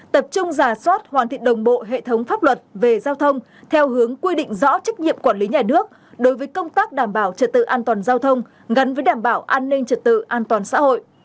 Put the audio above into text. tập trung giả soát hoàn thiện đồng bộ hệ thống pháp luật về giao thông theo hướng quy định rõ trách nhiệm quản lý nhà nước đối với công tác đảm bảo trật tự an toàn giao thông gắn với đảm bảo an ninh trật tự an toàn xã hội